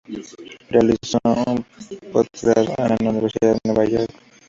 Realizó un postgrado en la Universidad de Nueva York.